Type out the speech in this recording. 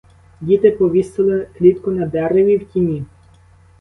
Діти повісили клітку на дереві в тіні.